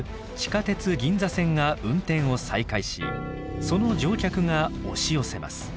銀座線が運転を再開しその乗客が押し寄せます。